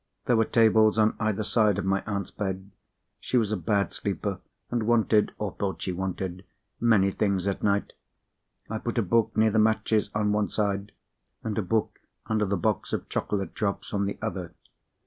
There were tables on either side of my aunt's bed. She was a bad sleeper, and wanted, or thought she wanted, many things at night. I put a book near the matches on one side, and a book under the box of chocolate drops on the other.